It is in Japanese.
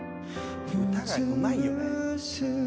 歌がうまいよね。